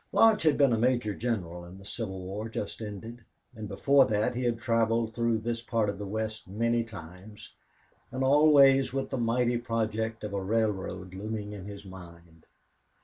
Lodge had been a major general in the Civil War just ended, and before that he had traveled through this part of the West many times, and always with the mighty project of a railroad looming in his mind.